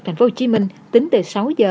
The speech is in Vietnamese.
thành phố hồ chí minh tính từ sáu h